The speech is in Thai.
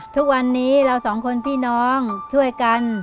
ทุกวันนี้เราสองคนพี่น้องช่วยกัน